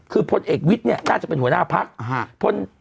คือพลเอกวิทย์น่าจะเป็นหัวหน้าภักดิ์